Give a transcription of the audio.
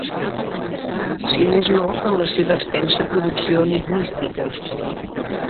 Si més no en la seva extensa producció enigmística.